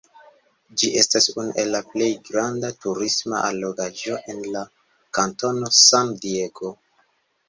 Ĝi estas unu el la plej granda turisma allogaĵo en la kantono San Diego.